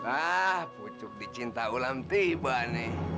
ah pucuk di cinta ulam tiba nih